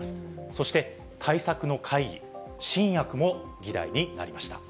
そして、対策の会議、新薬も議題になりました。